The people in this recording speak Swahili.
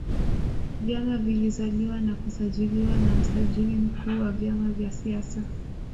vyama vilizaliwa na kusajiliwa na msajiri mkuu wa vyama vya siasa